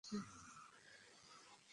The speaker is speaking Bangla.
কিন্তু আমার এখনও একটা প্রশ্ন আছে!